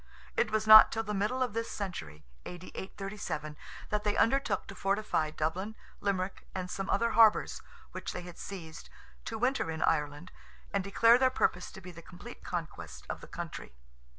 It was not till the middle of this century (A.D. 837) that they undertook to fortify Dublin, Limerick, and some other harbours which they had seized, to winter in Ireland, and declare their purpose to be the complete conquest of the country.